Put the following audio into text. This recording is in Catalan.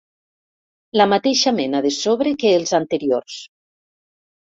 La mateixa mena de sobre que els anteriors.